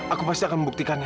aku pasti akan membuktikannya